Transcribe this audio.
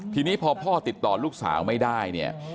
ทีนี้พอพ่อติดต่อลูกสาวไม่ได้เนี่ย